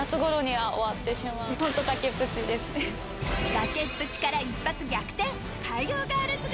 崖っぷちから一発逆転！